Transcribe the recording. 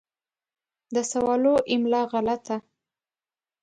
د سوالو املا غلطه